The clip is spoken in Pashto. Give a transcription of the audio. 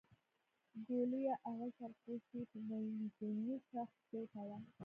ګوليه اغه سر پوشوې په منځني شاخ پسې وتړه.